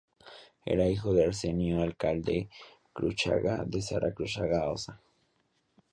Era hijo de Arsenio Alcalde Cruchaga y de Sara Cruchaga Ossa.